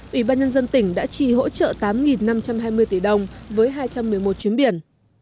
ủy ban nhân dân tỉnh đã trì hỗ trợ tám năm trăm hai mươi tỷ đồng với hai trăm một mươi một chuyến biển